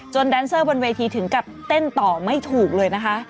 แดนเซอร์บนเวทีถึงกับเต้นต่อไม่ถูกเลยนะคะ